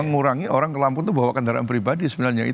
mengurangi orang ke lampung itu bawa kendaraan pribadi sebenarnya